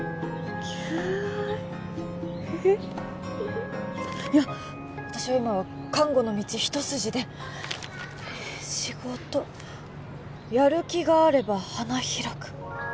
フフッいや私は今は看護の道一筋で仕事「やる気があれば花開く」